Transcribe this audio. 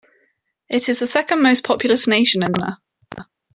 It is the second most populous nation in Oceania.